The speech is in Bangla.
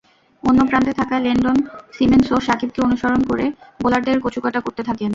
অন্য প্রান্তে থাকা লেন্ডন সিমন্সও সাকিবকে অনুসরণ করে বোলারদের কচুকাটা করতে থাকেন।